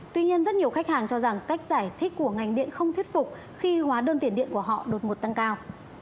tuy nhiên rất nhiều khách hàng cho rằng cách giải thích của ngành điện không thuyết phục khi hóa đơn tiền điện của họ đột ngột tăng cao